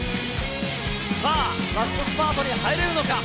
さあ、ラストスパートに入れるのか。